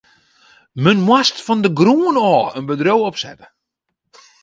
Men moast fan de grûn ôf in bedriuw opsette.